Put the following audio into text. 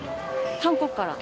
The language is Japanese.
韓国から。